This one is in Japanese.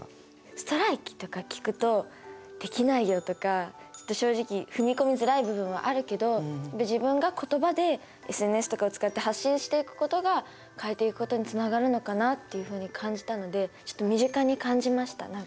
ストライキとか聞くと「できないよ」とかちょっと正直踏み込みづらい部分はあるけど自分が言葉でＳＮＳとかを使って発信していくことが変えていくことにつながるのかなっていうふうに感じたのでちょっと身近に感じました何か。